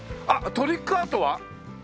トリックアートは？